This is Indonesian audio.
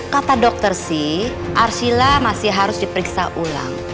kata dokter sih arshila masih harus diperiksa ulang